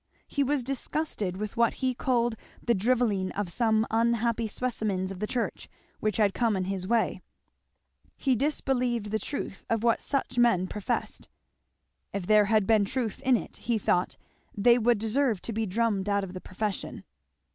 He was disgusted with what he called the drivelling of some unhappy specimens of the Church which had come in his way; he disbelieved the truth of what such men professed. If there had been truth in it, he thought, they would deserve to be drummed out of the profession.